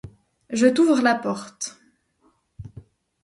Je t'ouvre la porte.